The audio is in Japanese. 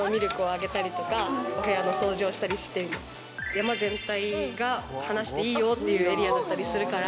山全体が放していいよっていうエリアだったりするから。